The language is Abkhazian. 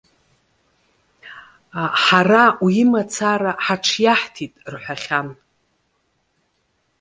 Ҳара уи имацара ҳаҽиаҳҭеит,- рҳәахьан.